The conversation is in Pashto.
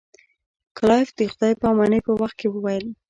کلایف د خدای په امانی په وخت کې وویل.